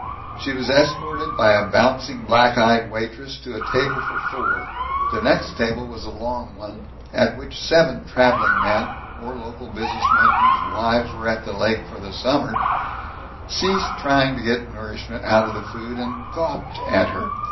She was escorted by a bouncing, black eyed waitress to a table for four. The next table was a long one, at which seven traveling men, or local business men whose wives were at the lake for the summer, ceased trying to get nourishment out of the food, and gawped at her.